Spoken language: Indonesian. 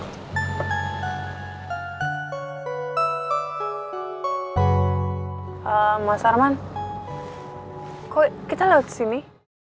eeeem mas arman kok kita laut sini